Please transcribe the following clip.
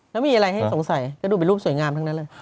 แล้วมีอะไรให้สงสัยก็ดูเป็นรูปสวยงามทั้งนั้นเลย